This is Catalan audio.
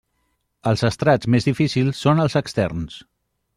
Els estrats més difícils són els externs.